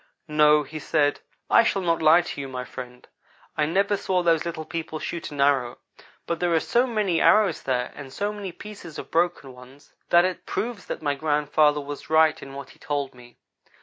"No," he said, "I shall not lie to you, my friend. I never saw those little people shoot an arrow, but there are so many arrows there, and so many pieces of broken ones, that it proves that my grandfather was right in what he told me.